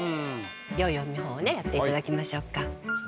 よいお見本をねやっていただきましょうか。